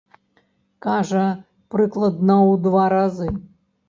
Кажа, прыкладна ў два разы.